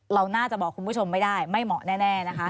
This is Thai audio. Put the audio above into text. เราน่าจะบอกคุณผู้ชมไม่ได้ไม่เหมาะแน่นะคะ